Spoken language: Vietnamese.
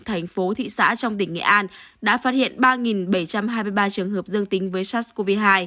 thành phố thị xã trong tỉnh nghệ an đã phát hiện ba bảy trăm hai mươi ba trường hợp dương tính với sars cov hai